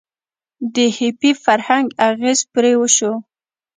د هیپي فرهنګ اغیز پرې وشو.